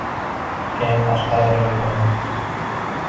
Keyin boshqa ayolga uylandim.